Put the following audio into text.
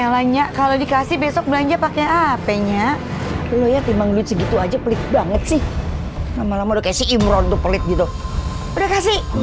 waktu berputar rumpulan dari mata